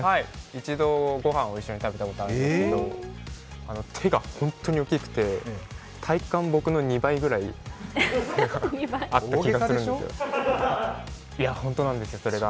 一度、ご飯を一緒に食べたことがあるんですけど手がホントに大きくて、体感、僕の２倍くらいあった気がするんで。